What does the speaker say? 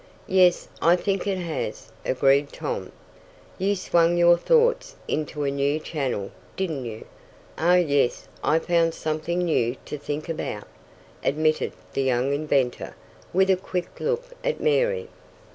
"Yes, I think it has," agreed Tom. "You swung your thoughts into a new channel, didn't you?" "Oh, yes, I found something new to think about," admitted the young inventor, with a quick look at Mary.